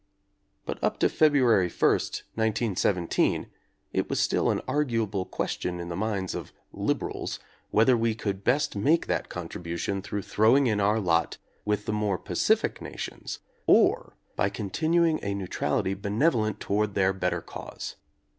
But up to Feb ruary first, 1917, it was still an arguable question in the minds of "liberals" whether we could best make that contribution through throwing in our lot with the more pacific nations or by continuing a neutrality benevolent toward their better cause.